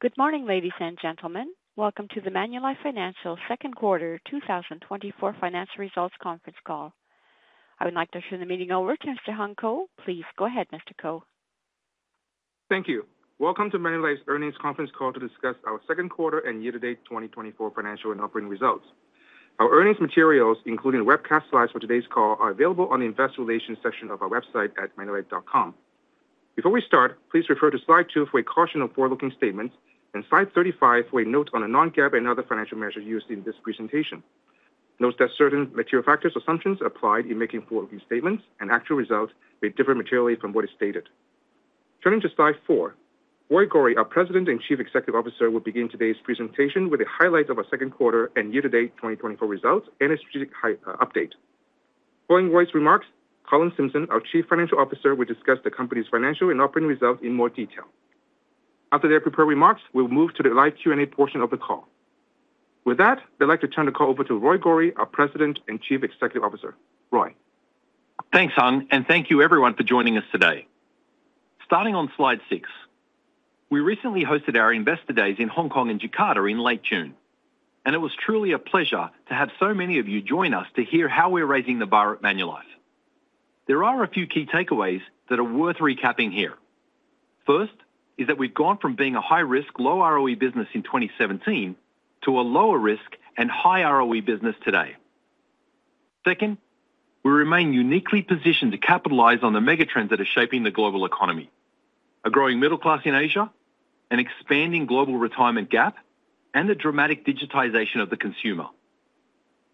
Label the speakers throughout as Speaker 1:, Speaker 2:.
Speaker 1: Good morning, ladies and gentlemen. Welcome to the Manulife Financial Q2 2024 financial results conference call. I would like to turn the meeting over to Mr. Hung Ko. Please go ahead, Mr. Ko.
Speaker 2: Thank you. Welcome to Manulife's earnings conference call to discuss our Q2 and year-to-date 2024 financial and operating results. Our earnings materials, including the webcast slides for today's call, are available on the investor relations section of our website at manulife.com. Before we start, please refer to slide 2 for a caution of forward-looking statements and slide 35 for a note on the non-GAAP and other financial measures used in this presentation. Note that certain material factors and assumptions applied in making forward-looking statements and actual results may differ materially from what is stated. Turning to slide 4, Roy Gori, our President and Chief Executive Officer, will begin today's presentation with the highlights of our Q2 and year-to-date 2024 results and a strategic high-level update. Following Roy's remarks, Colin Simpson, our Chief Financial Officer, will discuss the company's financial and operating results in more detail. After their prepared remarks, we'll move to the live Q&A portion of the call. With that, I'd like to turn the call over to Roy Gori, our President and Chief Executive Officer. Roy?
Speaker 3: Thanks, Hung, and thank you everyone for joining us today. Starting on slide 6. We recently hosted our Investor Days in Hong Kong and Jakarta in late June, and it was truly a pleasure to have so many of you join us to hear how we're raising the bar at Manulife. There are a few key takeaways that are worth recapping here. First, is that we've gone from being a high risk, low ROE business in 2017 to a lower risk and high ROE business today. Second, we remain uniquely positioned to capitalize on the megatrends that are shaping the global economy: a growing middle class in Asia, an expanding global retirement gap, and the dramatic digitization of the consumer.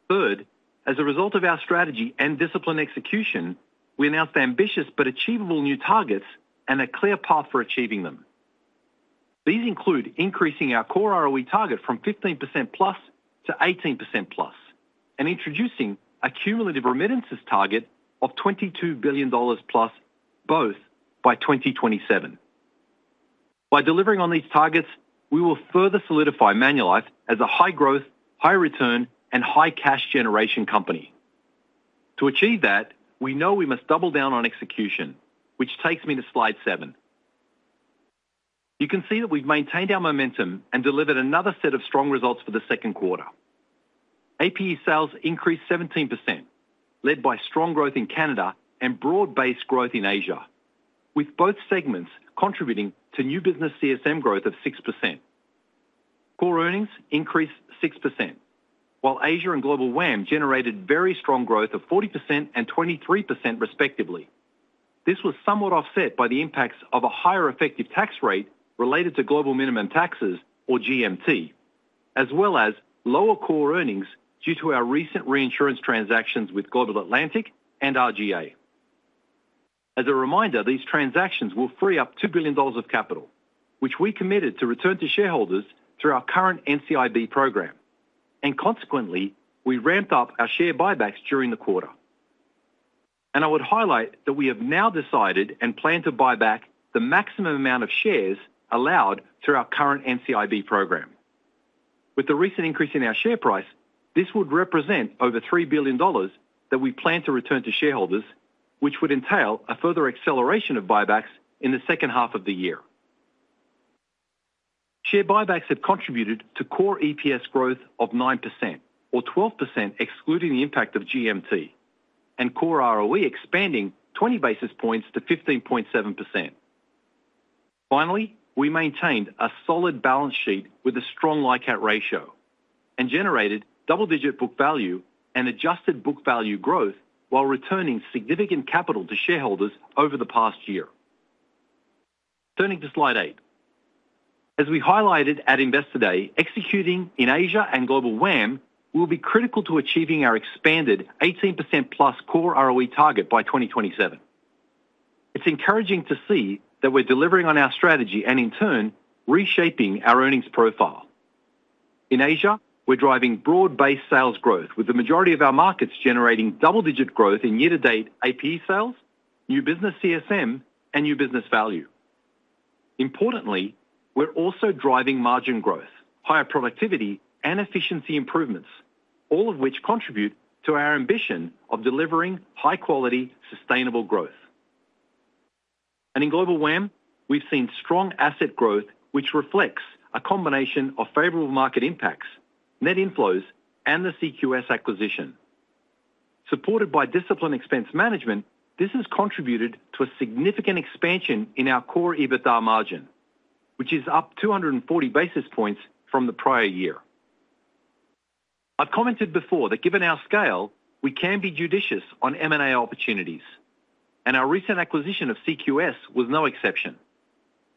Speaker 3: Third, as a result of our strategy and disciplined execution, we announced ambitious but achievable new targets and a clear path for achieving them. These include increasing our Core ROE target from 15%+ to 18%+, and introducing a cumulative remittances target of 22 billion dollars+, both by 2027. By delivering on these targets, we will further solidify Manulife as a high-growth, high-return, and high-cash generation company. To achieve that, we know we must double down on execution, which takes me to slide 7. You can see that we've maintained our momentum and delivered another set of strong results for the Q2. APE sales increased 17%, led by strong growth in Canada and broad-based growth in Asia, with both segments contributing to new business CSM growth of 6%. Core earnings increased 6%, while Asia and Global WAM generated very strong growth of 40% and 23% respectively. This was somewhat offset by the impacts of a higher effective tax rate related to global minimum taxes, or GMT, as well as lower core earnings due to our recent reinsurance transactions with Global Atlantic and RGA. As a reminder, these transactions will free up 2 billion dollars of capital, which we committed to return to shareholders through our current NCIB program, and consequently, we ramped up our share buybacks during the quarter. I would highlight that we have now decided and plan to buy back the maximum amount of shares allowed through our current NCIB program. With the recent increase in our share price, this would represent over 3 billion dollars that we plan to return to shareholders, which would entail a further acceleration of buybacks in the second half of the year. Share buybacks have contributed to core EPS growth of 9% or 12%, excluding the impact of GMT, and core ROE expanding 20 basis points to 15.7%. Finally, we maintained a solid balance sheet with a strong LICAT ratio and generated double-digit book value and adjusted book value growth while returning significant capital to shareholders over the past year. Turning to slide 8. As we highlighted at Investor Day, executing in Asia and Global WAM will be critical to achieving our expanded 18%+ core ROE target by 2027. It's encouraging to see that we're delivering on our strategy and in turn, reshaping our earnings profile. In Asia, we're driving broad-based sales growth, with the majority of our markets generating double-digit growth in year-to-date APE sales, new business CSM, and new business value. Importantly, we're also driving margin growth, higher productivity, and efficiency improvements, all of which contribute to our ambition of delivering high-quality, sustainable growth. In Global WAM, we've seen strong asset growth, which reflects a combination of favorable market impacts, net inflows, and the CQS acquisition. Supported by disciplined expense management, this has contributed to a significant expansion in our core EBITDA margin, which is up 240 basis points from the prior year. I've commented before that given our scale, we can be judicious on M&A opportunities, and our recent acquisition of CQS was no exception.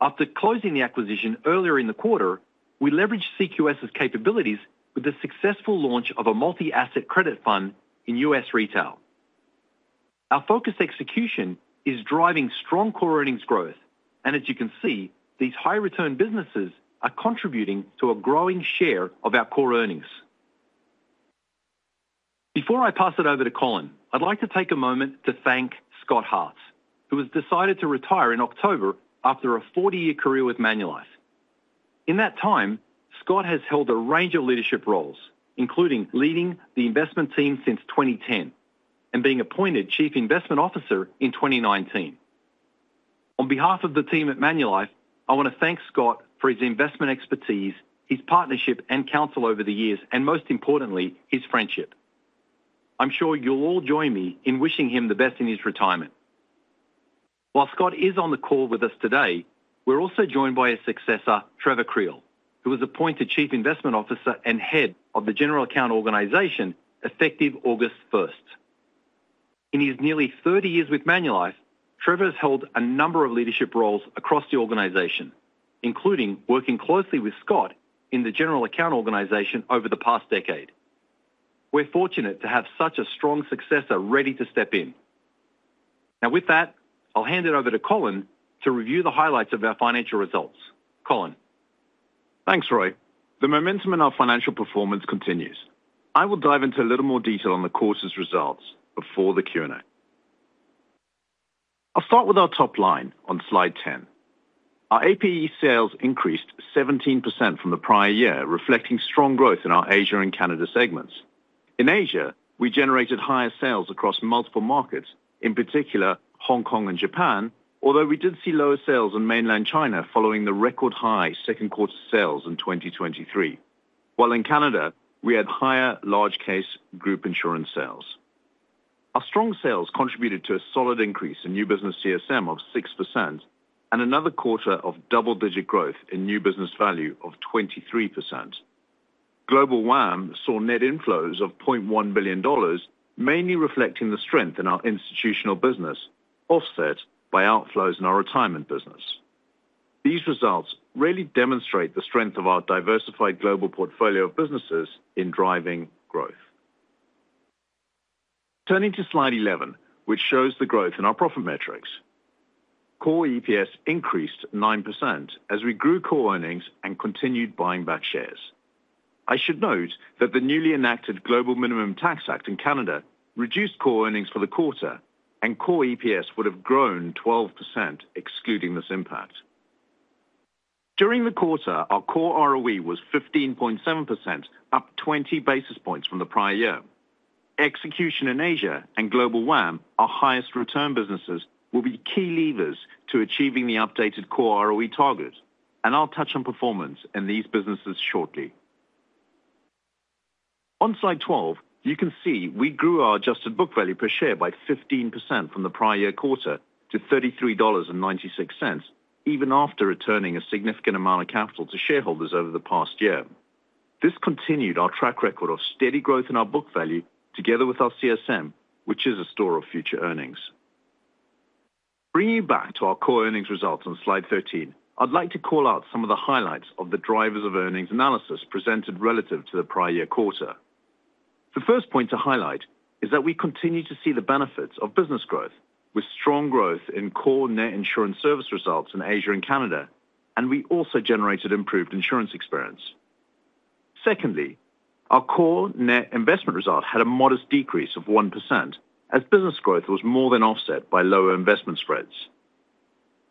Speaker 3: After closing the acquisition earlier in the quarter, we leveraged CQS's capabilities with the successful launch of a multi-asset credit fund in US Retail. Our focused execution is driving strong core earnings growth, and as you can see, these high return businesses are contributing to a growing share of our core earnings. Before I pass it over to Colin, I'd like to take a moment to thank Scott Hart, who has decided to retire in October after a 40-year career with Manulife. In that time, Scott has held a range of leadership roles, including leading the investment team since 2010, and being appointed Chief Investment Officer in 2019. On behalf of the team at Manulife, I want to thank Scott for his investment expertise, his partnership, and counsel over the years, and most importantly, his friendship. I'm sure you'll all join me in wishing him the best in his retirement. While Scott is on the call with us today, we're also joined by his successor, Trevor Kreel, who was appointed Chief Investment Officer and Head of the General Account Organization, effective August first. In his nearly 30 years with Manulife, Trevor has held a number of leadership roles across the organization, including working closely with Scott in the general account organization over the past decade. We're fortunate to have such a strong successor ready to step in. Now, with that, I'll hand it over to Colin to review the highlights of our financial results. Colin?
Speaker 4: Thanks, Roy. The momentum in our financial performance continues. I will dive into a little more detail on the quarter's results before the Q&A. I'll start with our top line on slide 10. Our APE sales increased 17% from the prior year, reflecting strong growth in our Asia and Canada segments. In Asia, we generated higher sales across multiple markets, in particular Hong Kong and Japan, although we did see lower sales in mainland China following the record-high Q2 sales in 2023. While in Canada, we had higher large case group insurance sales. Our strong sales contributed to a solid increase in new business CSM of 6% and another quarter of double-digit growth in new business value of 23%. Global WAM saw net inflows of $0.1 billion, mainly reflecting the strength in our institutional business, offset by outflows in our retirement business. These results really demonstrate the strength of our diversified global portfolio of businesses in driving growth. Turning to slide 11, which shows the growth in our profit metrics. Core EPS increased 9% as we grew core earnings and continued buying back shares. I should note that the newly enacted Global Minimum Tax Act in Canada reduced core earnings for the quarter, and core EPS would have grown 12%, excluding this impact. During the quarter, our core ROE was 15.7%, up 20 basis points from the prior year. Execution in Asia and lobal WAM, our highest return businesses, will be key levers to achieving the updated core ROE target, and I'll touch on performance in these businesses shortly. On slide 12, you can see we grew our adjusted book value per share by 15% from the prior year quarter to $33.96, even after returning a significant amount of capital to shareholders over the past year. This continued our track record of steady growth in our book value together with our CSM, which is a store of future earnings. Bringing you back to our core earnings results on slide 13, I'd like to call out some of the highlights of the drivers of earnings analysis presented relative to the prior year quarter. The first point to highlight is that we continue to see the benefits of business growth, with strong growth in core net insurance service results in Asia and Canada, and we also generated improved insurance experience. Secondly, our core net investment result had a modest decrease of 1%, as business growth was more than offset by lower investment spreads.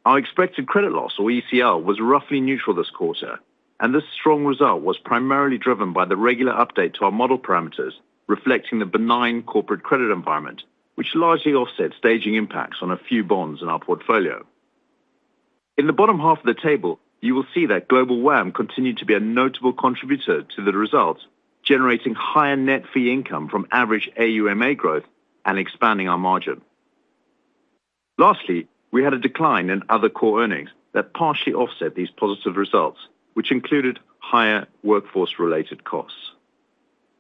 Speaker 4: Our expected credit loss, or ECL, was roughly neutral this quarter, and this strong result was primarily driven by the regular update to our model parameters, reflecting the benign corporate credit environment, which largely offset staging impacts on a few bonds in our portfolio. In the bottom half of the table, you will see that Global WAM continued to be a notable contributor to the results, generating higher net fee income from average AUMA growth and expanding our margin. Lastly, we had a decline in other core earnings that partially offset these positive results, which included higher workforce-related costs.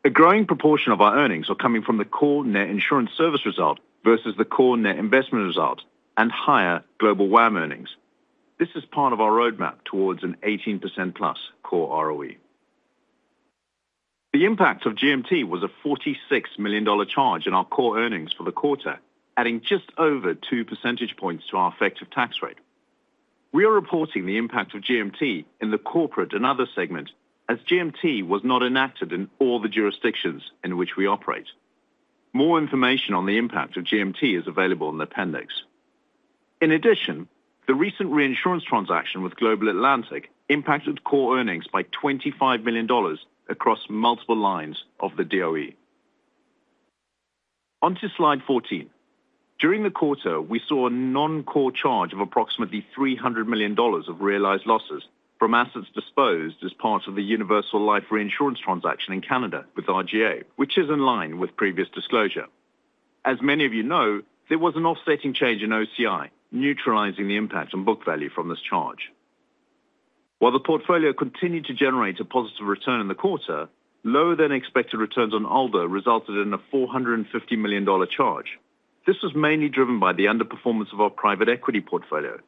Speaker 4: A growing proportion of our earnings are coming from the core net insurance service result versus the core net investment result and higher Global WAM earnings. This is part of our roadmap towards an 18%+ core ROE. The impact of GMT was a 46 million dollar charge in our core earnings for the quarter, adding just over two percentage points to our effective tax rate. We are reporting the impact of GMT in the corporate and other segments, as GMT was not enacted in all the jurisdictions in which we operate. More information on the impact of GMT is available in the appendix. In addition, the recent reinsurance transaction with Global Atlantic impacted core earnings by 25 million dollars across multiple lines of the DOE. On to slide 14. During the quarter, we saw a non-core charge of approximately 300 million dollars of realized losses from assets disposed as part of the universal life reinsurance transaction in Canada with RGA, which is in line with previous disclosure. There was an offsetting change in OCI, neutralizing the impact on book value from this charge. While the portfolio continued to generate a positive return in the quarter, lower than expected returns on ALDA resulted in a 450 million dollar charge. This was mainly driven by the underperformance of our private equity portfolio,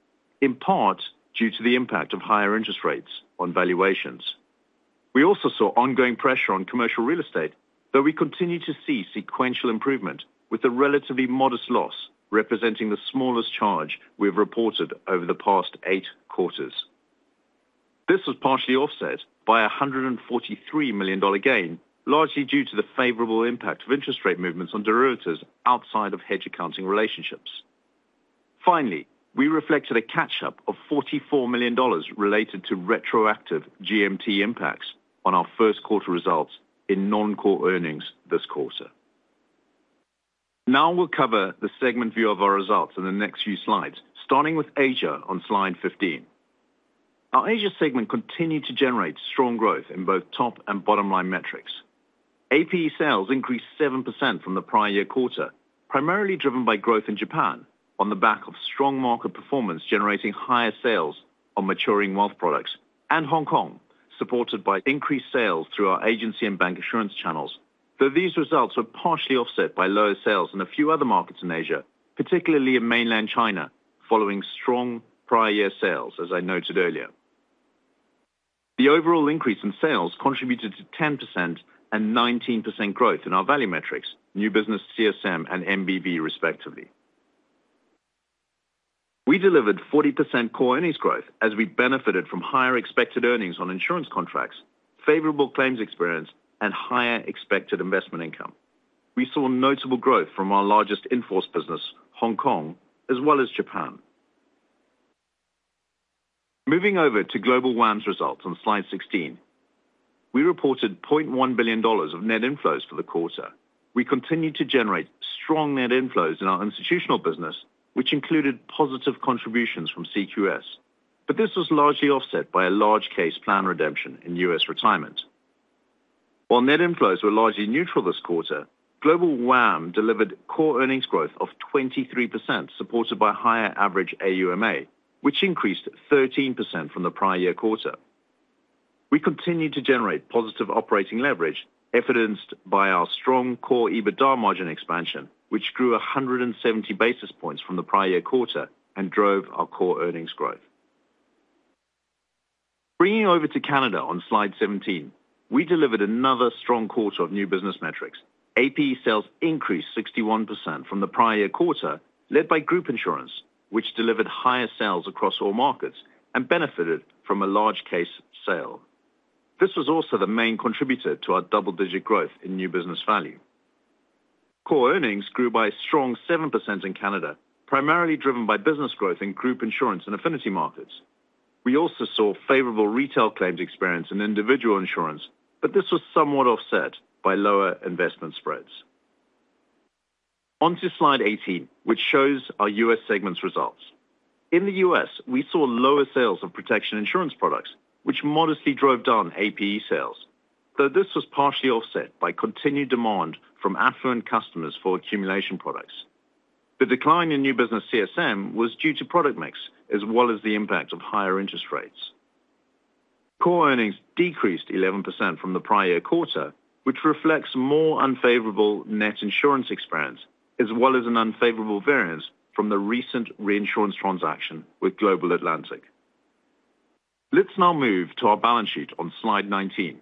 Speaker 4: in part due to the impact of higher interest rates on valuations. We also saw ongoing pressure on commercial real estate, though we continue to see sequential improvement with a relatively modest loss, representing the smallest charge we've reported over the past 8 quarters. This was partially offset by a 143 million dollar gain, largely due to the favorable impact of interest rate movements on derivatives outside of hedge accounting relationships. Finally, we reflected a catch-up of 44 million dollars related to retroactive GMT impacts on our Q1 results in non-core earnings this quarter. Now we'll cover the segment view of our results in the next few slides, starting with Asia on slide 15. Our Asia segment continued to generate strong growth in both top and bottom-line metrics. APE sales increased 7% from the prior-year quarter, primarily driven by growth in Japan on the back of strong market performance, generating higher sales on maturing wealth products, and Hong Kong, supported by increased sales through our agency and bank insurance channels. Though these results were partially offset by lower sales in a few other markets in Asia, particularly in Mainland China, following strong prior year sales, as I noted earlier. The overall increase in sales contributed to 10% and 19% growth in our value metrics, new business CSM and NBV, respectively. We delivered 40% core earnings growth as we benefited from higher expected earnings on insurance contracts, favorable claims experience, and higher expected investment income. We saw notable growth from our largest in-force business, Hong Kong, as well as Japan. Moving over to Global WAM's results on slide 16. We reported 0.1 billion dollars of net inflows for the quarter. We continued to generate strong net inflows in our institutional business, which included positive contributions from CQS, but this was largely offset by a large case plan redemption in U.S. retirement. While net inflows were largely neutral this quarter, Global WAM delivered core earnings growth of 23%, supported by higher average AUMA, which increased 13% from the prior year quarter. We continued to generate positive operating leverage, evidenced by our strong core EBITDA margin expansion, which grew 170 basis points from the prior year quarter and drove our core earnings growth. Bringing you over to Canada on slide 17, we delivered another strong quarter of new business metrics. APE sales increased 61% from the prior year quarter, led by group insurance, which delivered higher sales across all markets and benefited from a large case sale. This was also the main contributor to our double-digit growth in new business value. Core earnings grew by a strong 7% in Canada, primarily driven by business growth in group insurance and affinity markets. We also saw favorable retail claims experience in individual insurance, but this was somewhat offset by lower investment spreads. Onto slide 18, which shows our US segment's results. In the US, we saw lower sales of protection insurance products, which modestly drove down APE sales, though this was partially offset by continued demand from affluent customers for accumulation products. The decline in new business CSM was due to product mix as well as the impact of higher interest rates. Core earnings decreased 11% from the prior year quarter, which reflects more unfavorable net insurance experience, as well as an unfavorable variance from the recent reinsurance transaction with Global Atlantic. Let's now move to our balance sheet on slide 19.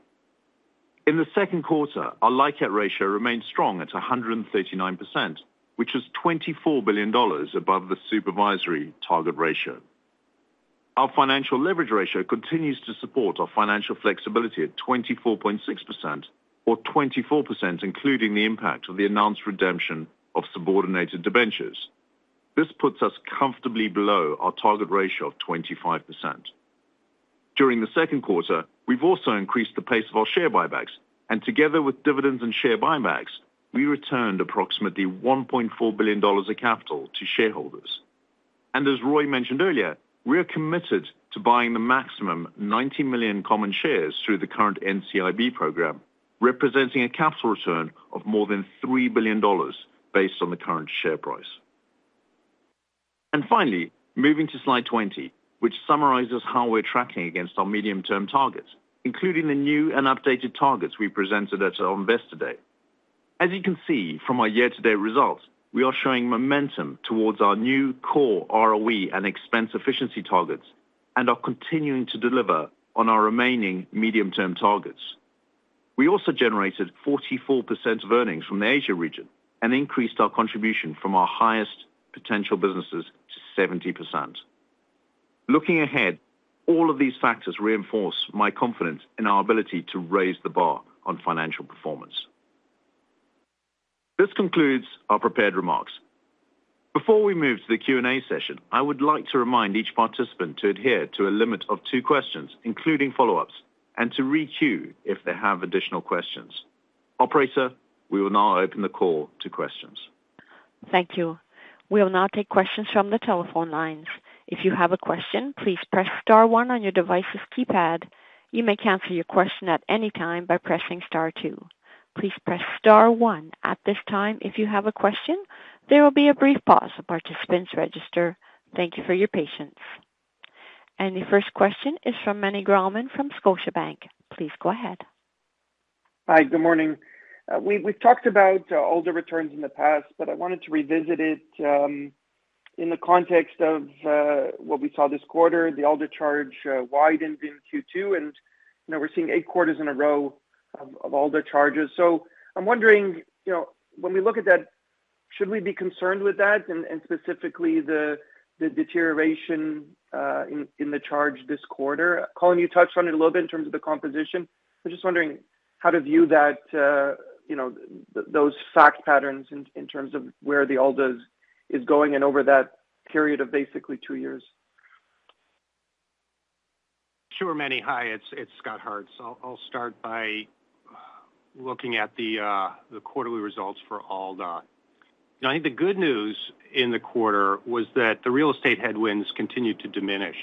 Speaker 4: In the Q2, our LICAT ratio remained strong at 139%, which is 24 billion dollars above the supervisory target ratio. Our financial leverage ratio continues to support our financial flexibility at 24.6% or 24%, including the impact of the announced redemption of subordinated debentures. This puts us comfortably below our target ratio of 25%. During the Q2, we've also increased the pace of our share buybacks, and together with dividends and share buybacks, we returned approximately $1.4 billion of capital to shareholders. As Roy mentioned earlier, we are committed to buying the maximum 90 million common shares through the current NCIB program, representing a capital return of more than $3 billion based on the current share price. Finally, moving to slide 20, which summarizes how we're tracking against our medium-term targets, including the new and updated targets we presented at our Investor Day. As you can see from our year-to-date results, we are showing momentum towards our new core ROE and expense efficiency targets and are continuing to deliver on our remaining medium-term targets. We also generated 44% of earnings from the Asia region and increased our contribution from our highest potential businesses to 70%. Looking ahead, all of these factors reinforce my confidence in our ability to raise the bar on financial performance. This concludes our prepared remarks. Before we move to the Q&A session, I would like to remind each participant to adhere to a limit of two questions, including follow-ups, and to re-queue if they have additional questions. Operator, we will now open the call to questions.
Speaker 1: Thank you. We will now take questions from the telephone lines. If you have a question, please press star one on your device's keypad. You may cancel your question at any time by pressing star two. Please press star one at this time if you have a question. There will be a brief pause for participants to register. Thank you for your patience. The first question is from Meny Grauman from Scotiabank. Please go ahead.
Speaker 5: Hi, good morning. We've talked about all the returns in the past, but I wanted to revisit it in the context of what we saw this quarter. The ALDA charge widened in Q2, and, we're seeing eight quarters in a row of ALDA charges. So I'm wondering, when we look at that, should we be concerned with that and specifically the deterioration in the charge this quarter? Colin, you touched on it a little bit in terms of the composition. I'm just wondering how to view that, those fact patterns in terms of where the ALDA is going and over that period of basically two years?
Speaker 6: Sure, Manny. Hi, it's Scott Hart. So I'll start by looking at the quarterly results for ALDA. Now, the good news in the quarter was that the real estate headwinds continued to diminish.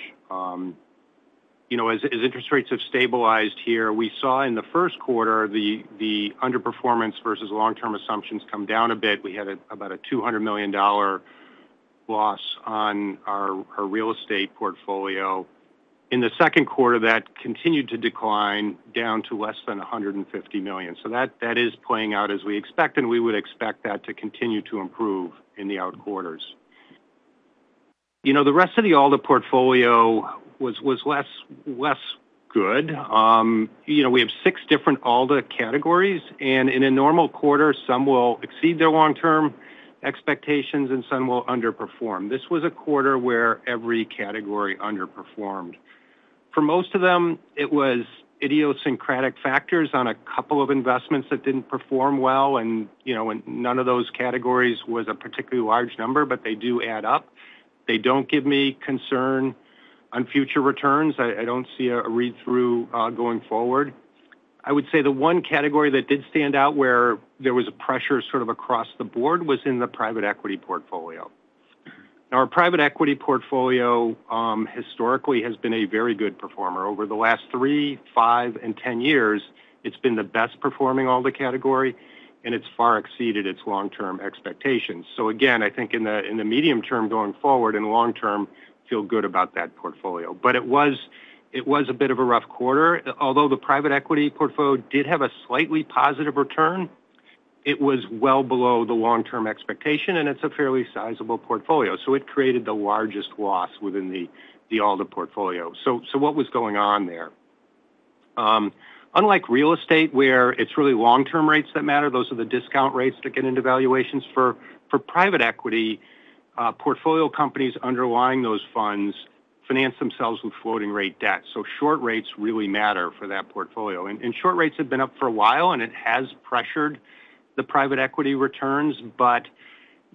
Speaker 6: As interest rates have stabilized here, we saw in the Q1, the underperformance versus long-term assumptions come down a bit. We had about a $200 million loss on our real estate portfolio. In the Q2, that continued to decline down to less than $150 million. So that is playing out as we expect, and we would expect that to continue to improve in the out quarters. The rest of the ALDA portfolio was less good. We have six different ALDA categories, and in a normal quarter, some will exceed their long-term expectations and some will underperform. This was a quarter where every category underperformed. For most of them, it was idiosyncratic factors on a couple of investments that didn't perform well, and none of those categories was a particularly large number, but they do add up. They don't give me concern on future returns. I don't see a read-through going forward. I would say the one category that did stand out, where there was a pressure sort of across the board, was in the private equity portfolio. Now, our private equity portfolio, historically has been a very good performer. Over the last three, five, and 10 years, it's been the best performing ALDA category, and it's far exceeded its long-term expectations. In the medium term, going forward, and long term, feel good about that portfolio. But it was a bit of a rough quarter. Although the private equity portfolio did have a slightly positive return, it was well below the long-term expectation, and it's a fairly sizable portfolio. So it created the largest loss within the ALDA portfolio. So what was going on there? Unlike real estate, where it's really long-term rates that matter, those are the discount rates that get into valuations for private equity portfolio companies underlying those funds finance themselves with floating rate debt. So short rates really matter for that portfolio. Short rates have been up for a while, and it has pressured the private equity returns, but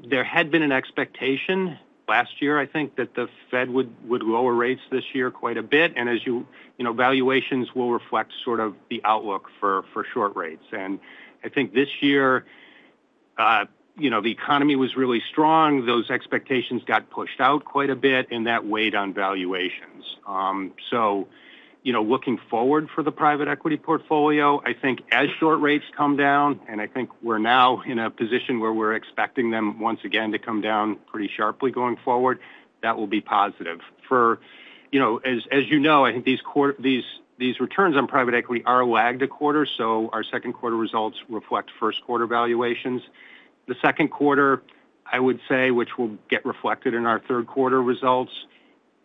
Speaker 6: there had been an expectation last year, the Fed would lower rates this year quite a bit, and valuations will reflect sort of the outlook for, for short rates. This year, the economy was really strong. Those expectations got pushed out quite a bit, and that weighed on valuations. Looking forward for the private equity portfolio, As short rates come down, and we're now in a position where we're expecting them once again to come down pretty sharply going forward, that will be positive. These returns on private equity are lagged a quarter, so our Q2 results reflect Q1 valuations. The Q2, I would say, which will get reflected in our Q3 results,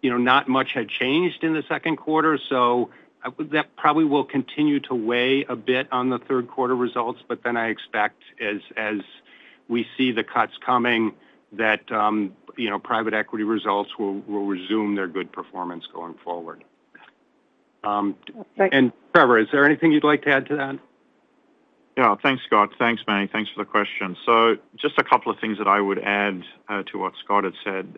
Speaker 6: not much had changed in the Q2, so I would... That probably will continue to weigh a bit on the Q3 results, but then I expect as we see the cuts coming, that private equity results will resume their good performance going forward. Trevor, is there anything you'd like to add to that?
Speaker 7: Thanks, Scott. Thanks, Meny. Thanks for the question. So just a couple of things that I would add to what Scott had said.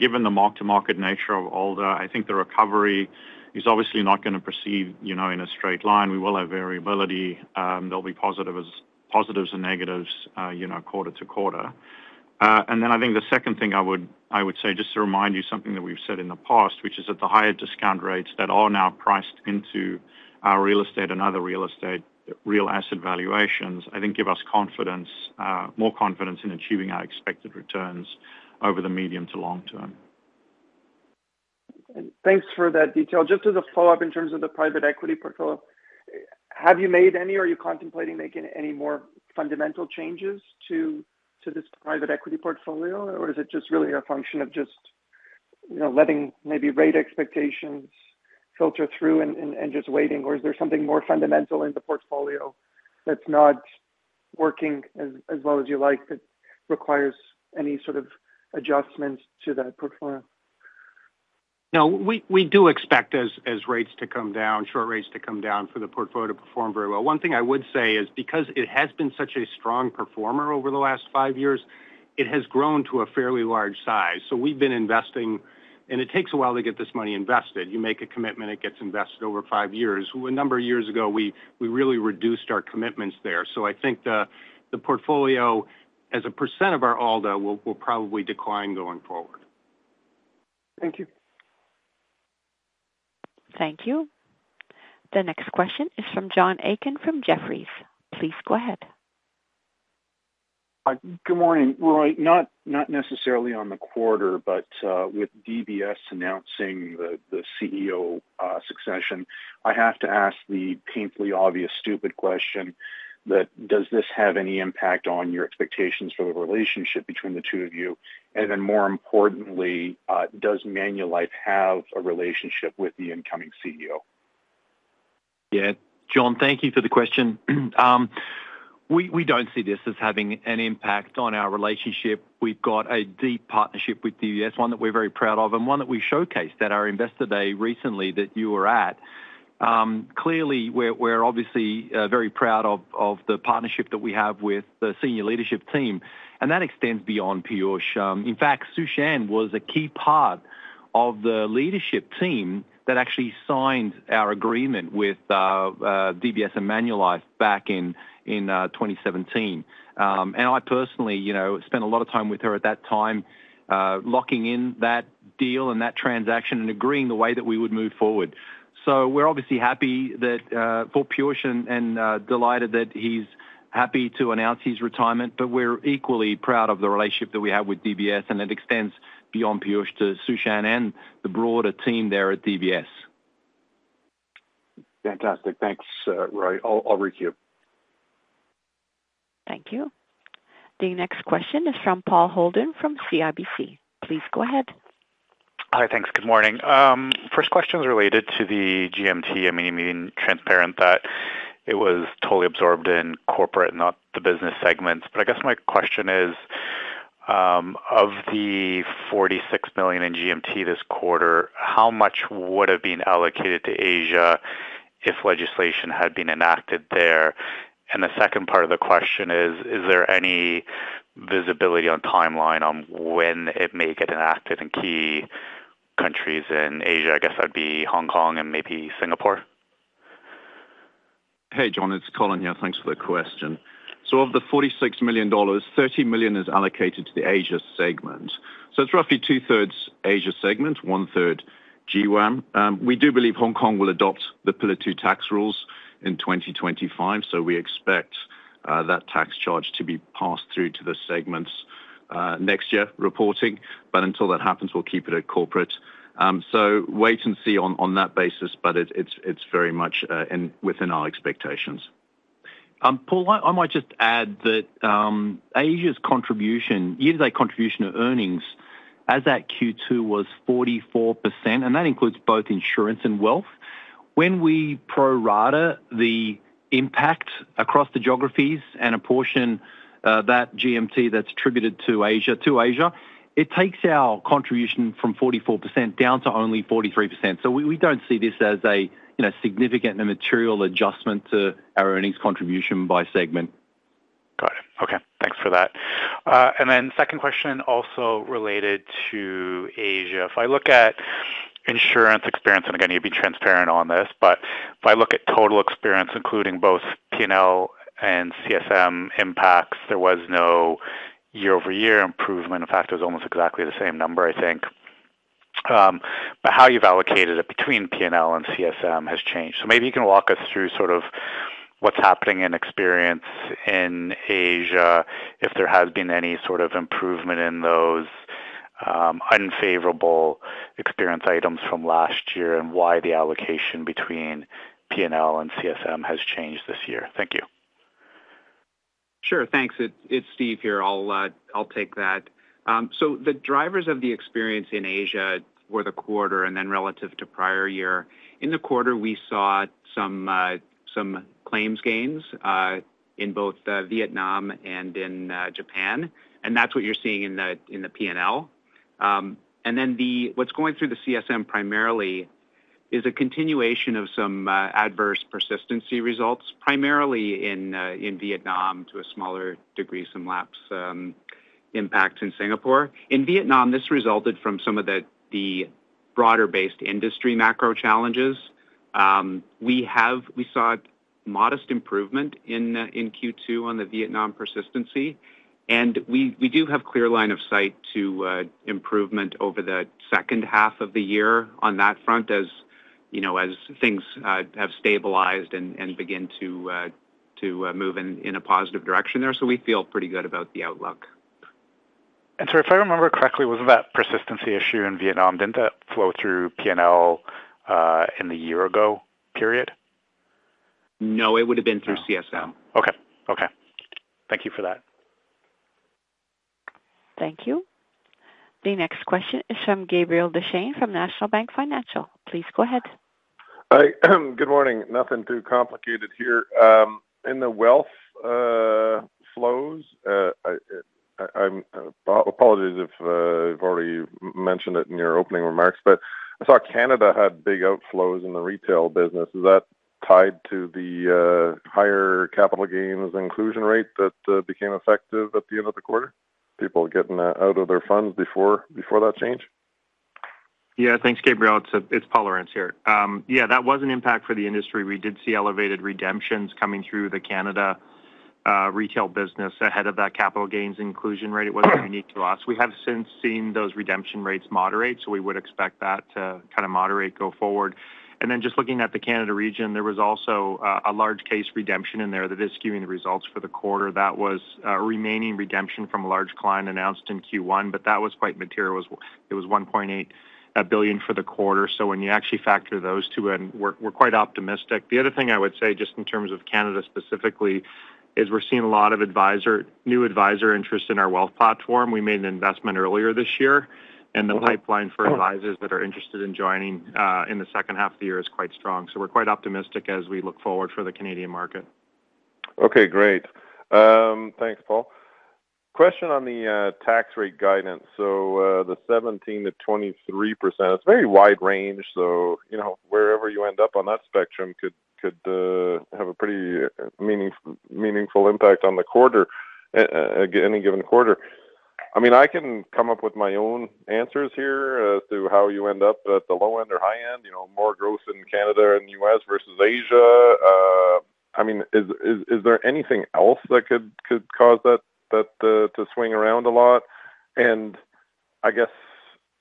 Speaker 7: Given the mark-to-market nature of ALDA, the recovery is obviously not gonna proceed, in a straight line. We will have variability. There'll be positives and negatives, quarter-to-quarter. The second thing I would say, just to remind you, something that we've said in the past, which is that the higher discount rates that are now priced into our real estate and other real estate, real asset valuations give us confidence, more confidence in achieving our expected returns over the medium to long-term.
Speaker 5: And thanks for that detail. Just as a follow-up, in terms of the private equity portfolio, have you made any, or are you contemplating making any more fundamental changes to this private equity portfolio? Or is it just really a function of just letting maybe rate expectations filter through and just waiting? Or is there something more fundamental in the portfolio that's not working as well as you like, that requires any sort of adjustments to that portfolio?
Speaker 6: No, we do expect as rates to come down, short rates to come down, for the portfolio to perform very well. One thing I would say is, because it has been such a strong performer over the last five years, it has grown to a fairly large size. So we've been investing, and it takes a while to get this money invested. You make a commitment, it gets invested over five years. A number of years ago, we really reduced our commitments there. The portfolio, as a percent of our ALDA, will probably decline going forward.
Speaker 5: Thank you.
Speaker 1: Thank you. The next question is from John Aiken from Jefferies. Please go ahead.
Speaker 8: Good morning. Roy, not necessarily on the quarter, but with DBS announcing the CEO succession, I have to ask the painfully obvious, stupid question: does this have any impact on your expectations for the relationship between the two of you? And then, more importantly, does Manulife have a relationship with the incoming CEO?
Speaker 3: Yeah. John, thank you for the question. We, we don't see this as having an impact on our relationship. We've got a deep partnership with DBS, one that we're very proud of and one that we showcased at our Investor Day recently that you were at. Clearly, we're, we're obviously very proud of the partnership that we have with the senior leadership team, and that extends beyond Piyush. In fact, Su Shan was a key part of the leadership team that actually signed our agreement with DBS and Manulife back in 2017. And I personally, spent a lot of time with her at that time, locking in that deal and that transaction and agreeing the way that we would move forward. So we're obviously happy that for Piyush and delighted that he's happy to announce his retirement, but we're equally proud of the relationship that we have with DBS, and it extends beyond Piyush to Su Shan and the broader team there at DBS.
Speaker 8: Fantastic. Thanks, Roy. I'll reach you.
Speaker 1: Thank you. The next question is from Paul Holden from CIBC. Please go ahead.
Speaker 9: Hi. Thanks. Good morning. First question is related to the GMT, being transparent that it was totally absorbed in corporate, not the business segments. But I guess my question is, of the 46 million in GMT this quarter, how much would have been allocated to Asia if legislation had been enacted there? And the second part of the question is, is there any visibility on timeline on when it may get enacted in key countries in Asia? I guess that'd be Hong Kong and maybe Singapore.
Speaker 4: Hey, John, it's Colin here. Thanks for the question. So of the 46 million dollars, 30 million is allocated to the Asia segment. So it's roughly two-thirds Asia segment, one-third GWAM. We do believe Hong Kong will adopt the Pillar Two tax rules in 2025, so we expect that tax charge to be passed through to the segments next year reporting. But until that happens, we'll keep it at corporate. So wait and see on, on that basis, but it's, it's very much in, within our expectations. Paul, I might just add that, Asia's contribution, year-to-date contribution of earnings as at Q2 was 44%, and that includes both insurance and wealth. When we pro rata the impact across the geographies and apportion, that GMT that's attributed to Asia, it takes our contribution from 44% down to only 43%. So we don't see this as a significant and material adjustment to our earnings contribution by segment.
Speaker 9: Got it. Okay, thanks for that. And then second question, also related to Asia. If I look at insurance experience, and again, you'd be transparent on this, but if I look at total experience, including both P&L and CSM impacts, there was no year-over-year improvement. In fact, it was almost exactly the same number, But how you've allocated it between P&L and CSM has changed. So maybe you can walk us through sort of what's happening in experience in Asia, if there has been any sort of improvement in those unfavorable experience items from last year, and why the allocation between P&L and CSM has changed this year. Thank you.
Speaker 10: Sure. Thanks. It's Steve here. I'll take that. So the drivers of the experience in Asia for the quarter and then relative to prior year, in the quarter, we saw some some claims gains in both Vietnam and in Japan, and that's what you're seeing in the P&L. And then what's going through the CSM primarily is a continuation of some adverse persistency results, primarily in Vietnam, to a smaller degree, some lapse impact in Singapore. In Vietnam, this resulted from some of the broader-based industry macro challenges. We have. We saw modest improvement in Q2 on the Vietnam persistency, and we do have clear line of sight to improvement over the second half of the year on that front, as things have stabilized and begin to move in a positive direction there. So we feel pretty good about the outlook.
Speaker 9: And so, if I remember correctly, wasn't that persistency issue in Vietnam? Didn't that flow through P&L in the year-ago period?
Speaker 10: No, it would have been through CSM.
Speaker 9: Okay, thank you for that.
Speaker 1: Thank you. The next question is from Gabriel Dechaine, from National Bank Financial. Please go ahead.
Speaker 11: Hi. Good morning. Nothing too complicated here. In the wealth flows, apologies if you've already mentioned it in your opening remarks, but I saw Canada had big outflows in the retail business. Is that tied to the higher capital gains inclusion rate that became effective at the end of the quarter? People getting out of their funds before that change? Yeah. Thanks, Gabriel. It's, it's Paul Lorentz here. Yeah, that was an impact for the industry. We did see elevated redemptions coming through the Canada retail business ahead of that capital gains inclusion rate. It wasn't unique to us. We have since seen those redemption rates moderate, so we would expect that to kind of moderate go forward. And then just looking at the Canada region, there was also a large case redemption in there that is skewing the results for the quarter. That was a remaining redemption from a large client announced in Q1, but that was quite material. It was 1.8 billion for the quarter. So when you actually factor those two in, we're, we're quite optimistic. The other thing I would say, just in terms of Canada specifically, is we're seeing a lot of advisor, new advisor interest in our wealth platform. We made an investment earlier this year, and the pipeline for advisors that are interested in joining in the second half of the year is quite strong. We're quite optimistic as we look forward for the Canadian market. Okay, great. Thanks, Paul. Question on the tax rate guidance. So, the 17%-23%, it's a very wide range, so, wherever you end up on that spectrum could have a pretty meaningful impact on the quarter, any given quarter. I can come up with my own answers here as to how you end up at the low end or high end, more growth in Canada and US versus Asia. Is there anything else that could cause that to swing around a lot? And I guess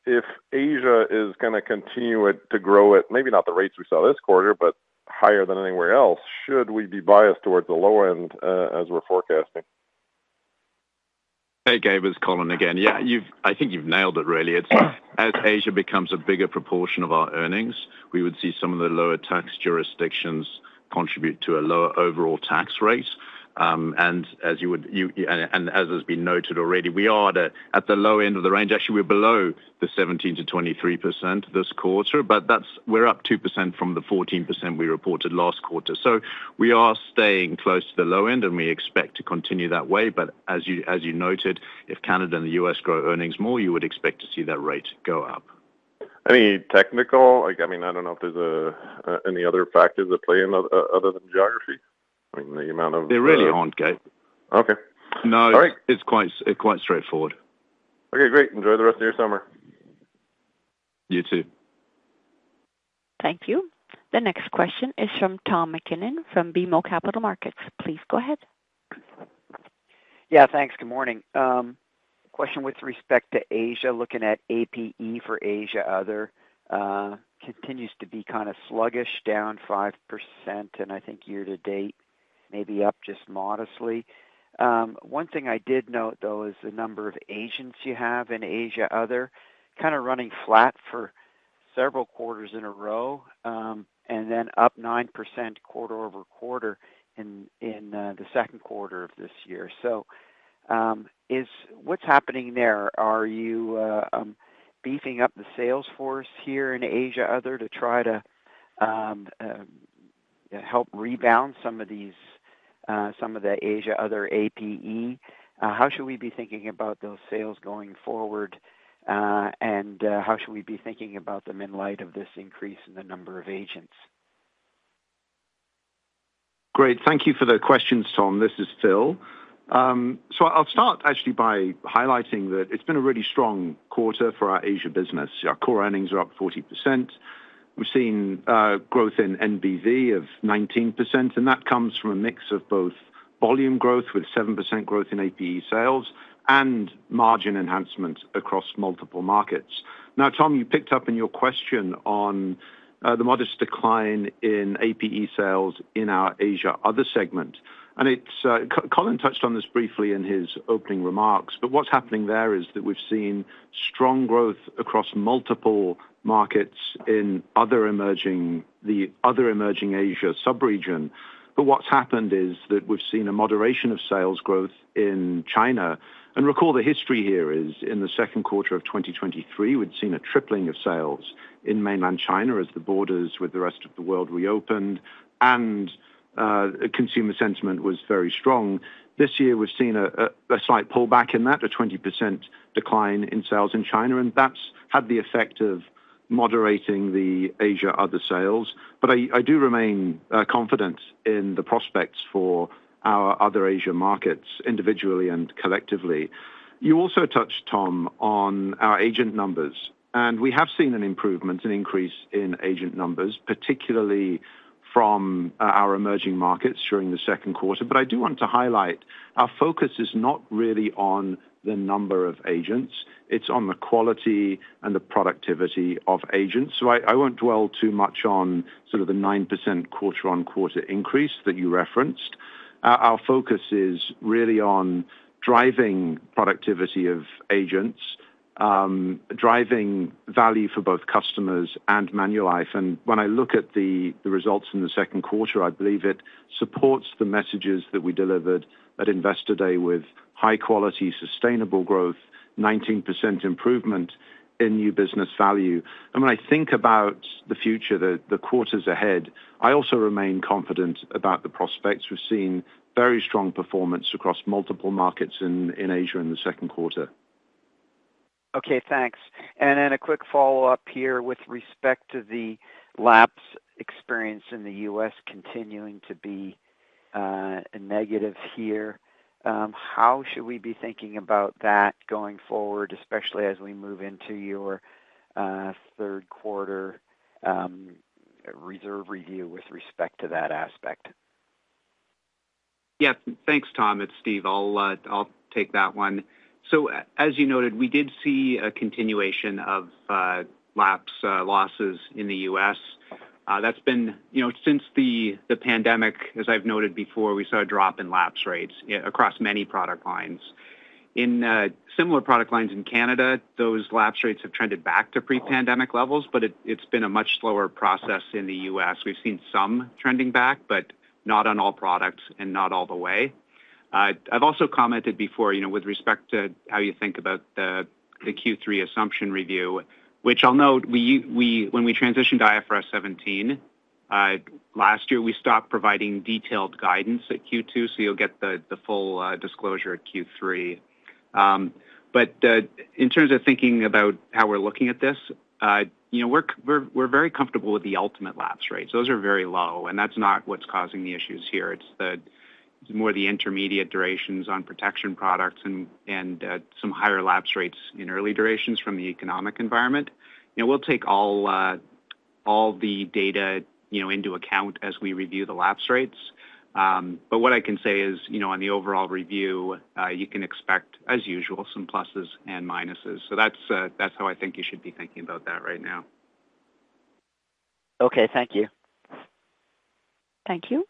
Speaker 11: if Asia is gonna continue to grow at maybe not the rates we saw this quarter, but higher than anywhere else, should we be biased towards the low end as we're forecasting?
Speaker 4: Hey, Gabe, it's Colin again. You've nailed it, really. It's as Asia becomes a bigger proportion of our earnings, we would see some of the lower tax jurisdictions contribute to a lower overall tax rate. And as has been noted already, we are at a, at the low end of the range. Actually, we're below the 17%-23% this quarter, but that's-- we're up 2% from the 14% we reported last quarter. So we are staying close to the low end, and we expect to continue that way. But as you, as you noted, if Canada and the US grow earnings more, you would expect to see that rate go up.
Speaker 11: Any technical, like, I don't know if there's any other factors at play other than geography? The amount of.
Speaker 4: There really aren't, Gabe. No. All right. It's quite, quite straightforward.
Speaker 11: Okay, great. Enjoy the rest of your summer.
Speaker 4: You too.
Speaker 1: Thank you. The next question is from Tom MacKinnon from BMO Capital Markets. Please go ahead.
Speaker 12: Yeah, thanks. Good morning. Question with respect to Asia, looking at APE for Asia, Other, continues to be kind of sluggish, down 5%, and year-to-date, maybe up just modestly. One thing I did note, though, is the number of agents you have in Asia, Other, kind of running flat for several quarters in a row, and then up 9% quarter over quarter in the Q2 of this year. So, is what's happening there? Are you beefing up the sales force here in Asia, Other, to try to help rebound some of these, some of the Asia, Other APE? How should we be thinking about those sales going forward, and how should we be thinking about them in light of this increase in the number of agents?
Speaker 13: Great. Thank you for the questions, Tom. This is Phil. So I'll start actually by highlighting that it's been a really strong quarter for our Asia business. Our core earnings are up 40%. We've seen growth in NBV of 19%, and that comes from a mix of both volume growth, with 7% growth in APE sales, and margin enhancement across multiple markets. Now, Tom, you picked up in your question on the modest decline in APE sales in our Asia, Other segment, and it's Colin touched on this briefly in his opening remarks, but what's happening there is that we've seen strong growth across multiple markets in other emerging, the other emerging Asia subregion. But what's happened is that we've seen a moderation of sales growth in China. And recall, the history here is, in the Q2 of 2023, we'd seen a tripling of sales in Mainland China as the borders with the rest of the world reopened, and consumer sentiment was very strong. This year, we've seen a slight pullback in that, a 20% decline in sales in China, and that's had the effect of moderating the Asia Other sales. But I do remain confident in the prospects for our other Asia markets, individually and collectively. You also touched, Tom, on our agent numbers, and we have seen an improvement, an increase in agent numbers, particularly from our emerging markets during the Q2. But I do want to highlight, our focus is not really on the number of agents; it's on the quality and the productivity of agents. So I won't dwell too much on sort of the 9% quarter-on-quarter increase that you referenced. Our focus is really on driving productivity of agents, driving value for both customers and Manulife. And when I look at the results in the Q2, I believe it supports the messages that we delivered at Investor Day with high quality, sustainable growth, 19% improvement in new business value. When I think about the future, the quarters ahead, I also remain confident about the prospects. We've seen very strong performance across multiple markets in Asia in the Q2.
Speaker 12: Okay, thanks. And then a quick follow-up here with respect to the lapse experience in the U.S. continuing to be a negative here. How should we be thinking about that going forward, especially as we move into your Q3 reserve review with respect to that aspect?
Speaker 10: Yeah. Thanks, Tom. It's Steve. I'll take that one. So as you noted, we did see a continuation of lapse losses in the U.S. Since the pandemic, as I've noted before, we saw a drop in lapse rates across many product lines. In similar product lines in Canada, those lapse rates have trended back to pre-pandemic levels, but it's been a much slower process in the U.S. We've seen some trending back, but not on all products and not all the way.... I've also commented before, with respect to how you think about the Q3 assumption review, which I'll note, we when we transitioned to IFRS 17 last year, we stopped providing detailed guidance at Q2, so you'll get the full disclosure at Q3. But in terms of thinking about how we're looking at this we're very comfortable with the ultimate lapse rates. Those are very low, and that's not what's causing the issues here. It's more the intermediate durations on protection products and some higher lapse rates in early durations from the economic environment. We'll take all the data into account as we review the lapse rates. But what I can say is on the overall review, you can expect, as usual, some pluses and minuses. So that's how you should be thinking about that right now.
Speaker 12: Okay, thank you.
Speaker 1: Thank you.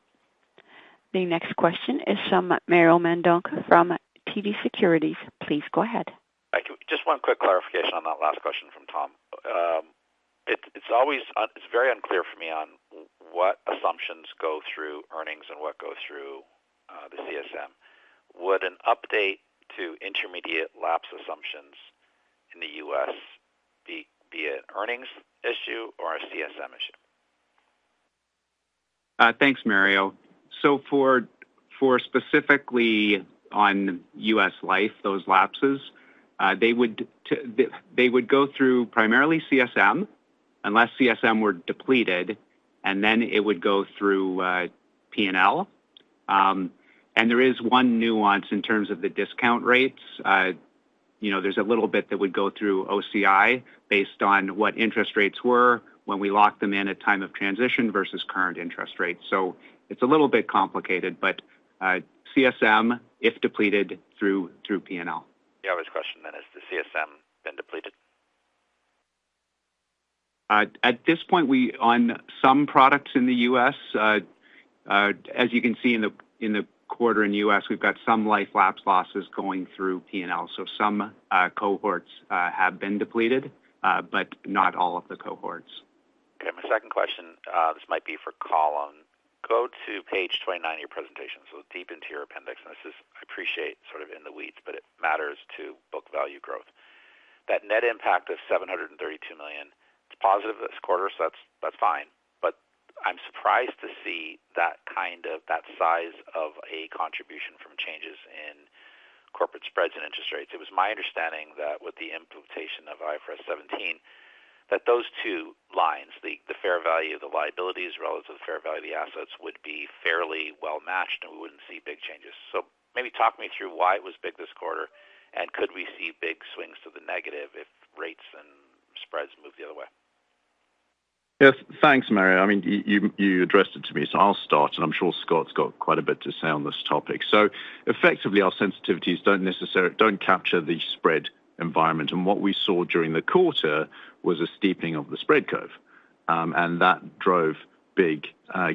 Speaker 1: The next question is from Mario Mendonca from TD Securities. Please go ahead.
Speaker 14: Thank you. Just one quick clarification on that last question from Tom. It's always... it's very unclear for me on what assumptions go through earnings and what goes through the CSM. Would an update to intermediate lapse assumptions in the US be an earnings issue or a CSM issue?
Speaker 3: Thanks, Mario. So for specifically on U.S. Life, those lapses, they would go through primarily CSM, unless CSM were depleted, and then it would go through P&L. And there is one nuance in terms of the discount rates. There's a little bit that would go through OCI based on what interest rates were when we locked them in at time of transition versus current interest rates. So it's a little bit complicated, but CSM, if depleted, through P&L.
Speaker 14: The obvious question then, is the CSM been depleted?
Speaker 3: At this point, we on some products in the U.S., as you can see in the quarter in U.S., we've got some life lapse losses going through P&L. So some cohorts have been depleted, but not all of the cohorts.
Speaker 14: Okay, my second question, this might be for Colin. Go to page 29 of your presentation, so deep into your appendix, and this is, I appreciate, sort of, in the weeds, but it matters to book value growth. That net impact of 732 million, it's positive this quarter, so that's, that's fine, but I'm surprised to see that kind of, that size of a contribution from changes in corporate spreads and interest rates. It was my understanding that with the implementation of IFRS 17, that those two lines, the, the fair value of the liabilities relative to the fair value of the assets, would be fairly well matched, and we wouldn't see big changes. So maybe talk me through why it was big this quarter, and could we see big swings to the negative if rates and spreads move the other way?
Speaker 4: Yes. Thanks, Mario. You addressed it to me, so I'll start, and I'm sure Scott's got quite a bit to say on this topic. So effectively, our sensitivities don't necessarily capture the spread environment. And what we saw during the quarter was a steepening of the spread curve, and that drove big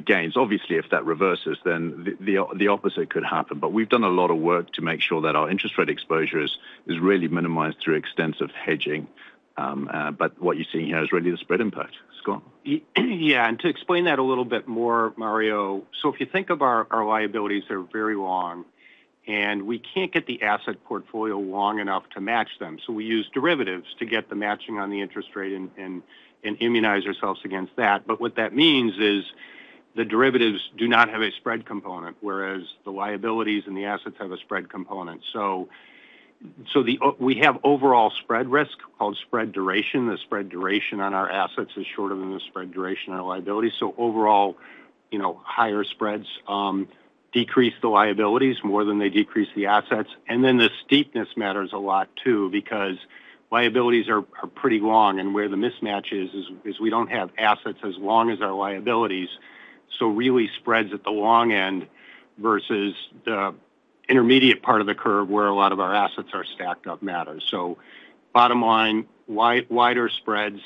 Speaker 4: gains. Obviously, if that reverses, then the opposite could happen. But we've done a lot of work to make sure that our interest rate exposure is really minimized through extensive hedging. But what you're seeing here is really the spread impact. Scott?
Speaker 6: To explain that a little bit more, Mario, so if you think of our liabilities are very long, and we can't get the asset portfolio long enough to match them, so we use derivatives to get the matching on the interest rate and immunize ourselves against that. But what that means is the derivatives do not have a spread component, whereas the liabilities and the assets have a spread component. So we have overall spread risk, called spread duration. The spread duration on our assets is shorter than the spread duration on our liability. Overall, Higher spreads decrease the liabilities more than they decrease the assets. And then the steepness matters a lot, too, because liabilities are pretty long, and where the mismatch is we don't have assets as long as our liabilities. So really spreads at the long end versus the intermediate part of the curve, where a lot of our assets are stacked up matters. So bottom line, wider spreads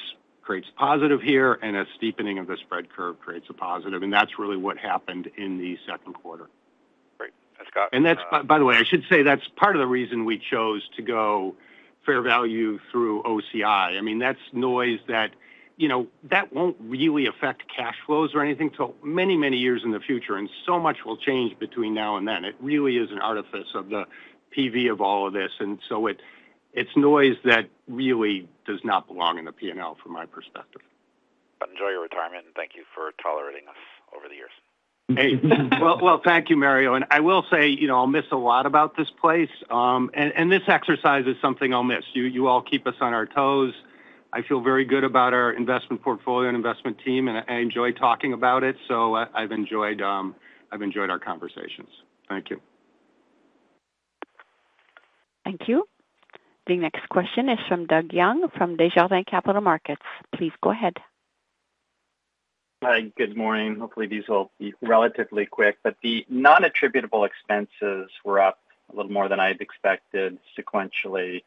Speaker 6: creates positive here, and a steepening of the spread curve creates a positive, and that's really what happened in the Q2. That's, by the way, I should say that's part of the reason we chose to go fair value through OCI. That's noise that won't really affect cash flows or anything till many, many years in the future, and so much will change between now and then. It really is an artifice of the PV of all of this, and so it, it's noise that really does not belong in the P&L, from my perspective.
Speaker 14: Enjoy your retirement, and thank you for tolerating us over the years.
Speaker 6: Hey, well, well, thank you, Mario, and I will say, I'll miss a lot about this place, and this exercise is something I'll miss. You all keep us on our toes. I feel very good about our investment portfolio and investment team, and I enjoy talking about it, so I've enjoyed our conversations. Thank you.
Speaker 1: Thank you. The next question is from Doug Young, from Desjardins Capital Markets. Please go ahead.
Speaker 15: Hi, good morning. Hopefully, these will be relatively quick, but the non-attributable expenses were up a little more than I'd expected sequentially.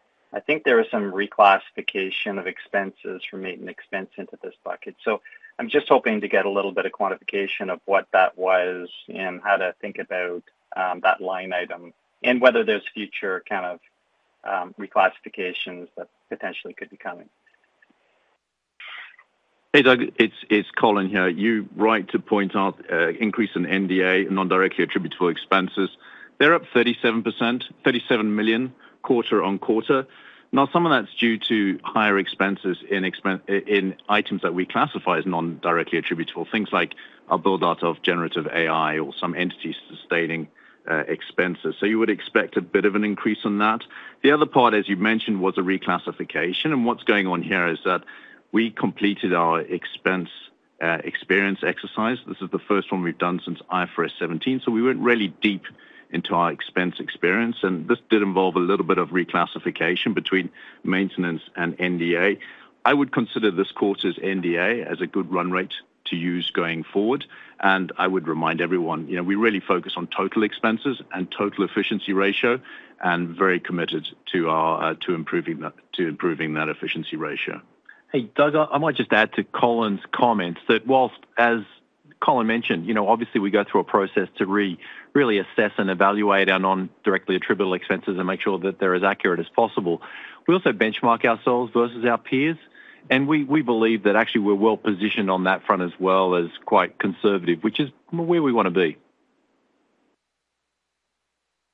Speaker 15: There was some reclassification of expenses from maintenance expense into this bucket. So I'm just hoping to get a little bit of quantification of what that was and how to think about, that line item, and whether there's future kind of, reclassifications that potentially could be coming?
Speaker 4: Hey, Doug, it's Colin here. You're right to point out increase in NDA, non-directly attributable expenses. They're up 37%, 37 million, quarter-on-quarter. Now, some of that's due to higher expenses in items that we classify as non-directly attributable, things like a build-out of generative AI or some entity sustaining expenses. So you would expect a bit of an increase on that. The other part, as you mentioned, was a reclassification, and what's going on here is that we completed our expense experience exercise. This is the first one we've done since IFRS 17, so we went really deep into our expense experience, and this did involve a little bit of reclassification between maintenance and NDA. I would consider this quarter's NDA as a good run rate to use going forward, and I would remind everyone, we really focus on total expenses and total efficiency ratio, and very committed to our, to improving that, to improving that efficiency ratio.
Speaker 3: Hey, Doug, I might just add to Colin's comments that while, as Colin mentioned, obviously, we go through a process to really assess and evaluate our non-directly attributable expenses and make sure that they're as accurate as possible. We also benchmark ourselves versus our peers, and we believe that actually we're well-positioned on that front, as well as quite conservative, which is where we want to be.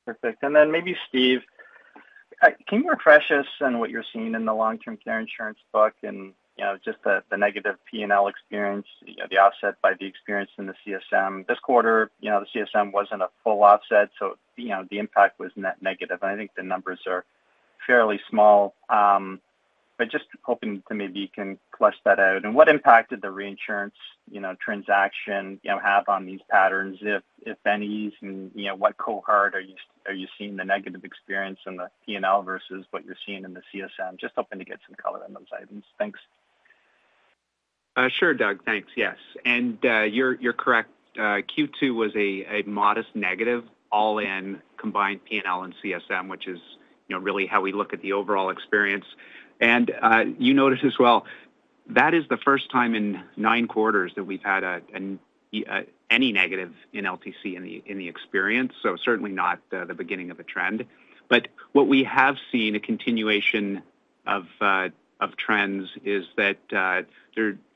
Speaker 15: Perfect. And then maybe Steve can you refresh us on what you're seeing in the long-term care insurance book? The, the negative P&L experience, the offset by the experience in the CSM. This quarter, the CSM wasn't a full offset, so, the impact was net negative, and the numbers are fairly small. But just hoping to maybe you can flesh that out. And what impact did the reinsurance, transaction, have on these patterns, if, if any, and what cohort are you, are you seeing the negative experience in the P&L versus what you're seeing in the CSM? Just hoping to get some color on those items. Thanks.
Speaker 10: Sure, Doug. Thanks. Yes, and you're correct. Q2 was a modest negative, all in combined P&L and CSM, which is really how we look at the overall experience. And you notice as well, that is the first time in nine quarters that we've had any negative in LTC in the experience, so certainly not the beginning of a trend. But what we have seen, a continuation of trends, is that,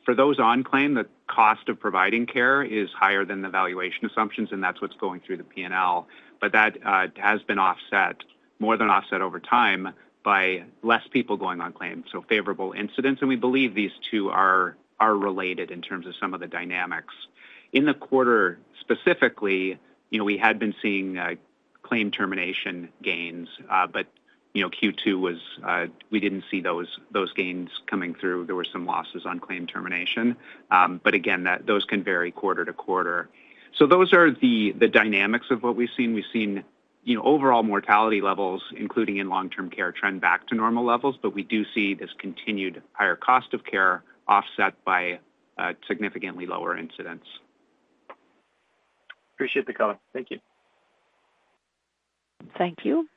Speaker 10: for those on claim, the cost of providing care is higher than the valuation assumptions, and that's what's going through the P&L. But that has been offset, more than offset over time by less people going on claim, so favorable incidents, and we believe these two are related in terms of some of the dynamics. In the quarter, specifically, we had been seeing claim termination gains, but Q2 was we didn't see those, those gains coming through. There were some losses on claim termination, but again, those can vary quarter to quarter. So those are the, the dynamics of what we've seen. We've seen, overall mortality levels, including in long-term care, trend back to normal levels, but we do see this continued higher cost of care offset by significantly lower incidents.
Speaker 15: Appreciate the color. Thank you.
Speaker 1: Thank you.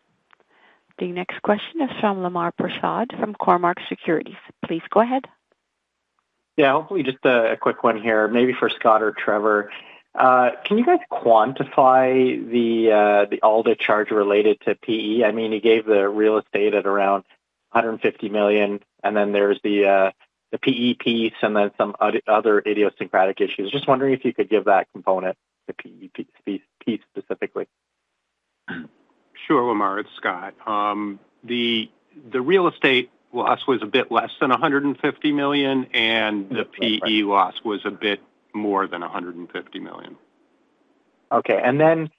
Speaker 1: The next question is from Lemar Persaud from Cormark Securities. Please go ahead.
Speaker 16: Yeah, hopefully just a quick one here, maybe for Scott or Trevor. Can you guys quantify the ALDA charge related to PE? You gave the real estate at around 150 million, and then there's the PE piece and then some other idiosyncratic issues. Just wondering if you could give that component, the PE piece specifically.
Speaker 6: Sure, Lemar, it's Scott. The real estate loss was a bit less than 150 million, and the PE loss was a bit more than 150 million.
Speaker 16: Okay. Then,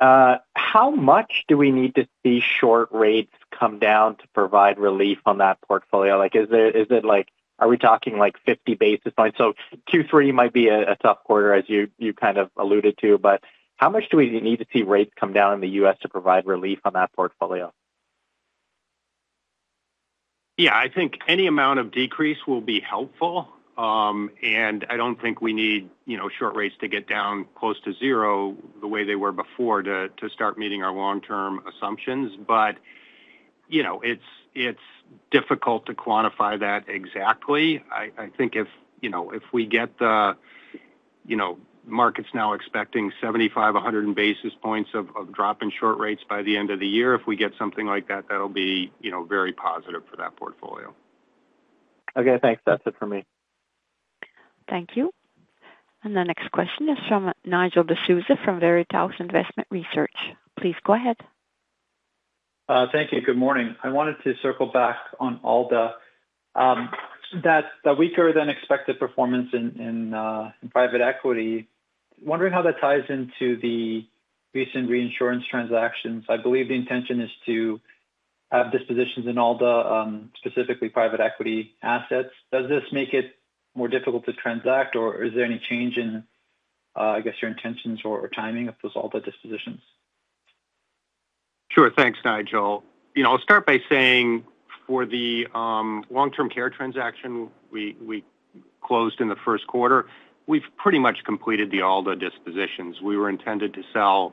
Speaker 16: how much do we need to see short rates come down to provide relief on that portfolio? Like, is it, is it like... Are we talking, like, 50 basis points? So Q3 might be a tough quarter, as you kind of alluded to, but how much do we need to see rates come down in the U.S. to provide relief on that portfolio?
Speaker 6: Any amount of decrease will be helpful, and I don't think we need short rates to get down close to zero, the way they were before, to start meeting our long-term assumptions. It's difficult to quantify that exactly. If we get the, markets now expecting 75, 100 basis points of drop in short rates by the end of the year, if we get something like that, that'll be very positive for that portfolio.
Speaker 16: Okay, thanks. That's it for me.
Speaker 1: Thank you. The next question is from Nigel D'Souza from Veritas Investment Research. Please go ahead.
Speaker 17: Thank you. Good morning. I wanted to circle back on ALDA. That the weaker-than-expected performance in private equity, wondering how that ties into the recent reinsurance transactions. I believe the intention is to have dispositions in ALDA, specifically private equity assets. Does this make it more difficult to transact, or is there any change in, I guess, your intentions or timing of those ALDA dispositions?
Speaker 6: Sure. Thanks, Nigel. I'll start by saying for the long-term care transaction we closed in the Q1, we've pretty much completed the ALDA dispositions. We were intended to sell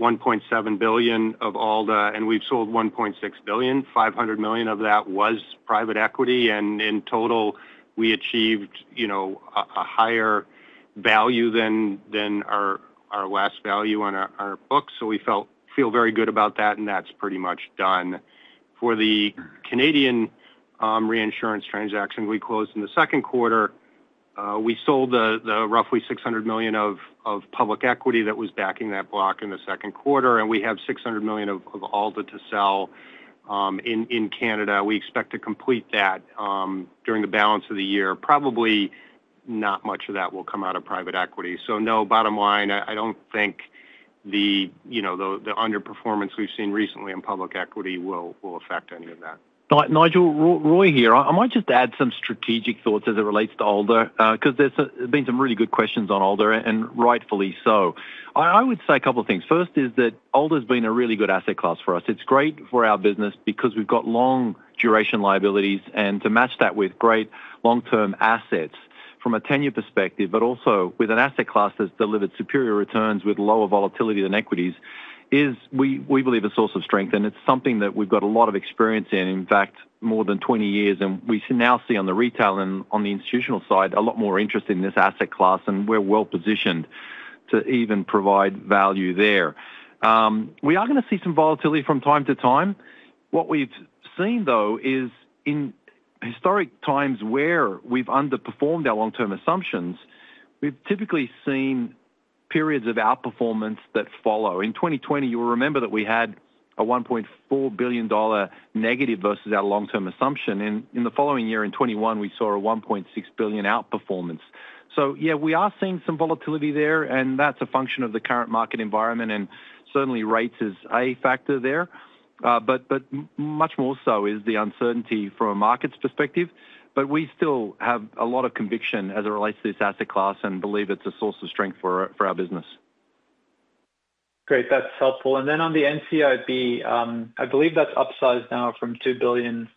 Speaker 6: $1.7 billion of ALDA, and we've sold $1.6 billion. $500 million of that was private equity, and in total, we achieved a higher value than our last value on our books. So we feel very good about that, and that's pretty much done. For the Canadian reinsurance transaction we closed in the Q2, we sold the roughly 600 million of public equity that was backing that block in the Q2, and we have 600 million of ALDA to sell in Canada. We expect to complete that during the balance of the year. Probably, not much of that will come out of private equity. So no, bottom line, I don't think the underperformance we've seen recently in public equity will affect any of that.
Speaker 3: Nigel, Roy here. I might just add some strategic thoughts as it relates to ALDA, because there's been some really good questions on ALDA, and rightfully so. I would say a couple of things. First is that ALDA's been a really good asset class for us. It's great for our business because we've got long duration liabilities, and to match that with great long-term assets from a tenor perspective, but also with an asset class that's delivered superior returns with lower volatility than equities, is, we believe, a source of strength, and it's something that we've got a lot of experience in. In fact, more than 20 years, and we should now see on the retail and on the institutional side, a lot more interest in this asset class, and we're well-positioned to even provide value there. We are gonna see some volatility from time to time. What we've seen, though, is in historic times where we've underperformed our long-term assumptions, we've typically seen periods of outperformance that follow. In 2020, you will remember that we had a $1.4 billion negative versus our long-term assumption. In the following year, in 2021, we saw a $1.6 billion outperformance. So yeah, we are seeing some volatility there, and that's a function of the current market environment, and certainly rates is a factor there. But much more so is the uncertainty from a markets perspective. But we still have a lot of conviction as it relates to this asset class and believe it's a source of strength for our business.
Speaker 17: Great, that's helpful. And then on the NCIB, I believe that's upsized now from 2 billion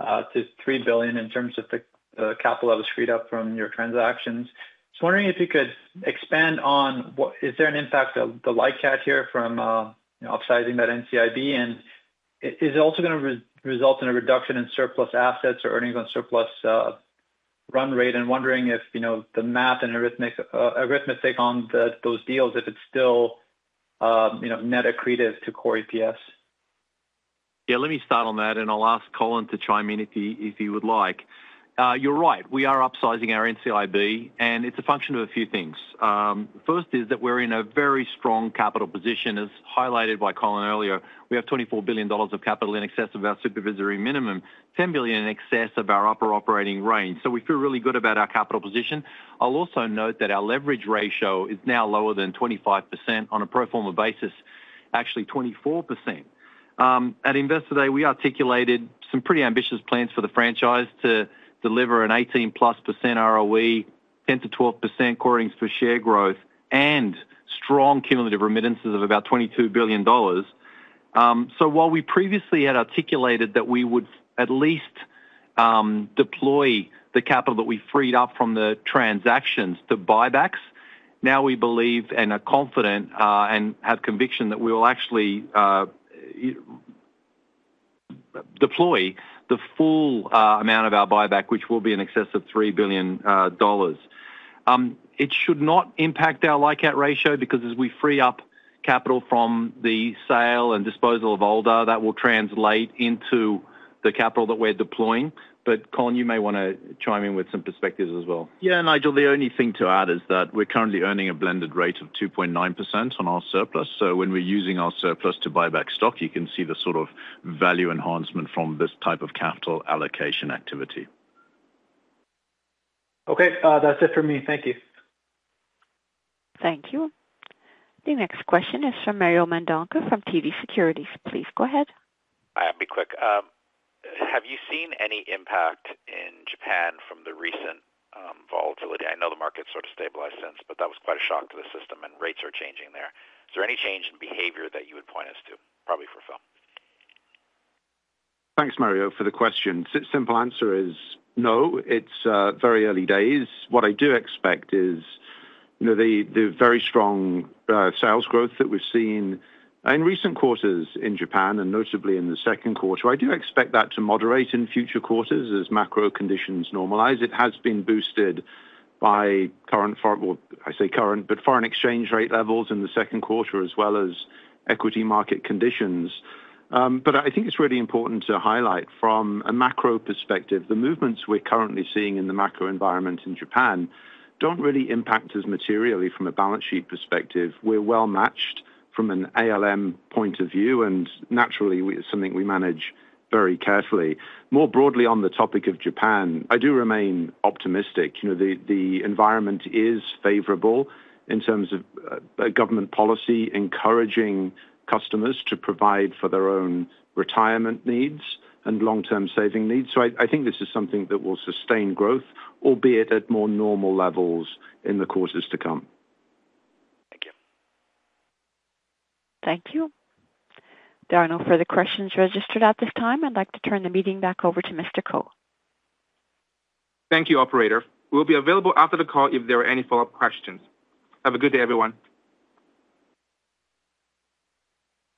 Speaker 17: to 3 billion in terms of the capital that was freed up from your transactions. Just wondering if you could expand on what... Is there an impact of the LICAT here from upsizing that NCIB, and is it also gonna result in a reduction in surplus assets or earnings on surplus run rate? I'm wondering if the math and arithmetic on those deals, if it's still net accretive to core EPS.
Speaker 3: Yeah, let me start on that, and I'll ask Colin to chime in if he, if he would like. You're right, we are upsizing our NCIB, and it's a function of a few things. First is that we're in a very strong capital position, as highlighted by Colin earlier. We have 24 billion dollars of capital in excess of our supervisory minimum, 10 billion in excess of our upper operating range. So we feel really good about our capital position. I'll also note that our leverage ratio is now lower than 25% on a pro forma basis, actually 24%. At Investor Day, we articulated some pretty ambitious plans for the franchise to deliver an 18%+ ROE, 10%-12% earnings per share growth and strong cumulative remittances of about 22 billion dollars. So while we previously had articulated that we would at least deploy the capital that we freed up from the transactions to buybacks, now we believe and are confident and have conviction that we will actually deploy the full amount of our buyback, which will be in excess of 3 billion dollars. It should not impact our LICAT ratio, because as we free up capital from the sale and disposal of ALDA, that will translate into the capital that we're deploying. But Colin, you may wanna chime in with some perspectives as well.
Speaker 4: Yeah, Nigel, the only thing to add is that we're currently earning a blended rate of 2.9% on our surplus. So when we're using our surplus to buy back stock, you can see the sort of value enhancement from this type of capital allocation activity.
Speaker 17: Okay, that's it for me. Thank you.
Speaker 1: Thank you. The next question is from Mario Mendonca from TD Securities. Please go ahead.
Speaker 14: Hi, I'll be quick. Have you seen any impact in Japan from the recent volatility? I know the market sort of stabilized since, but that was quite a shock to the system, and rates are changing there. Is there any change in behavior that you would point us to? Probably for Phil.
Speaker 13: Thanks, Mario, for the question. So simple answer is no, it's very early days. What I do expect is the very strong sales growth that we've seen in recent quarters in Japan, and notably in the Q2, I do expect that to moderate in future quarters as macro conditions normalize. It has been boosted by current for... I say current, but foreign exchange rate levels in the Q2, as well as equity market conditions. It's really important to highlight from a macro perspective, the movements we're currently seeing in the macro environment in Japan don't really impact us materially from a balance sheet perspective. We're well matched from an ALM point of view, and naturally, it's something we manage very carefully. More broadly on the topic of Japan, I do remain optimistic. The environment is favorable in terms of government policy, encouraging customers to provide for their own retirement needs and long-term saving needs. This is something that will sustain growth, albeit at more normal levels in the courses to come.
Speaker 14: Thank you.
Speaker 1: Thank you. There are no further questions registered at this time. I'd like to turn the meeting back over to Mr. Ko.
Speaker 2: Thank you, operator. We'll be available after the call if there are any follow-up questions. Have a good day, everyone.